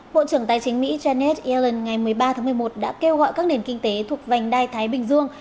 bộ trưởng tài chính mỹ janet yellen ngày một mươi ba tháng một mươi một đã kêu gọi các nền kinh tế thuộc vành đai thái bình dương